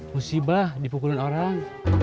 musibah dipukul orang